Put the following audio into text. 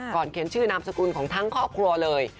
เขียนชื่อนามสกุลของทั้งครอบครัวเลย